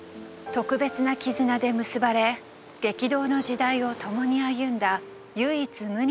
特別な絆で結ばれ激動の時代を共に歩んだ唯一無二の兄弟。